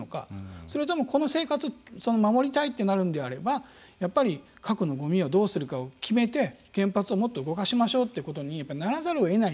それともこの生活を守りたいってなるんであればやっぱり核のごみをどうするかを決めて原発をもっと動かしましょうということにならざるを得ない。